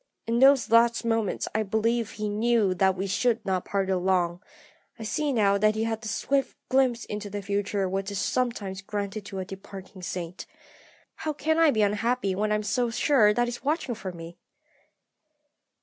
In those last moments I believe he knew that we should not be parted long; I see now that he had that swift glimpse into the future which is sometimes granted to a departing saint. How can I be unhappy when I am so sure that he is watching for me?